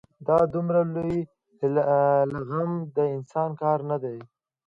دا دومره لوی لغم د انسان کار نه دی.